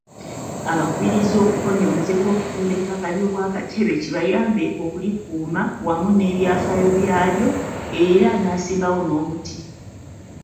Abakubirizza okukomya omuze gw'okutunda ettaka ly'Obwakatebe kibayambe okulikuuma wamu n'ebyafaayo byalyo era n'asimbawo n'omuti.